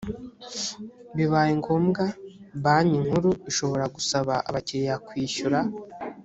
bibaye ngombwa banki nkuru ishobora gusaba abakiriya kwishyura.